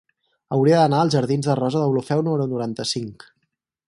Hauria d'anar als jardins de Rosa Deulofeu número noranta-cinc.